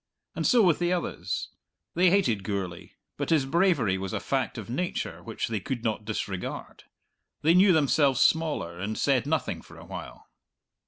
And so with the others; they hated Gourlay, but his bravery was a fact of nature which they could not disregard; they knew themselves smaller, and said nothing for a while.